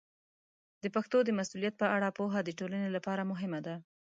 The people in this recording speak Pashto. د پښتو د مسوولیت په اړه پوهه د ټولنې لپاره مهمه ده.